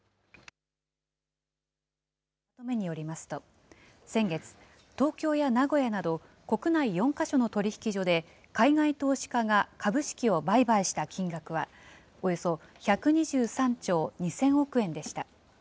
まとめによりますと、先月、東京や名古屋など、国内４か所の取引所で海外投資家が株式を売買した金額は、およそ１２３兆２０００億円でした。